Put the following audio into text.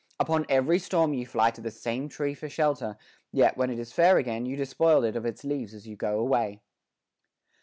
Upon every storm you fly to the same tree for shelter ; yet, when it is fair again, you despoil it of its leaves as you go away.